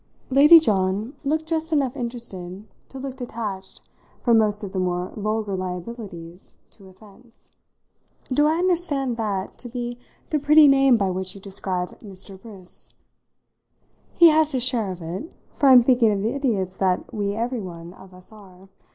Lady John looked just enough interested to look detached from most of the more vulgar liabilities to offence. "Do I understand that to be the pretty name by which you describe Mr. Briss?" "He has his share of it, for I'm thinking of the idiots that we everyone of us are.